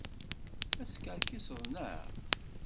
La teskerkiseḍ, naɣ?